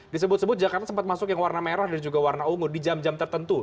disebut sebut jakarta sempat masuk yang warna merah dan juga warna umur di jam jam tertentu